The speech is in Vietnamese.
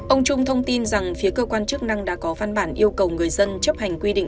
ông trung thông tin rằng phía cơ quan chức năng đã có văn bản yêu cầu người dân chấp hành quy định